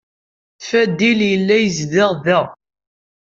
Fadil yella yezdeɣ da.